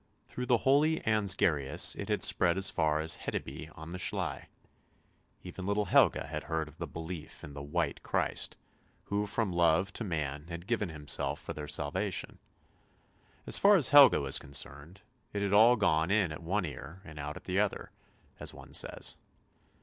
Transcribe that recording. Through the holy Ansgarius it had spread as far as Hedeby on the Schlei. Even little Helga had heard of the belief in the " White Christ," who from love to man had given Himself for their salvation. As far as Helga was con cerned it had all gone in at one ear and out at the other, as one says.